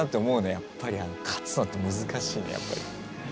やっぱり勝つのって難しいね。